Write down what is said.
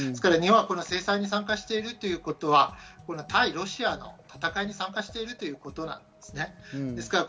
日本は制裁に参加しているということは対ロシアの戦いに参加しているということなんです。